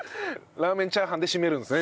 ラーメンチャーハンで締めるんですね？